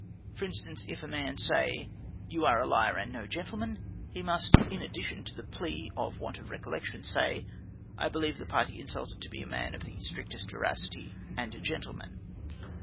For instance, if the man say: "you are a liar and no gentleman," he must, in addition to the plea of the want of recollection, say: "I believe the party insulted to be a man of the strictest veracity and a gentleman."